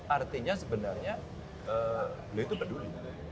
artinya sebenarnya beliau itu peduli